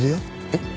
えっ？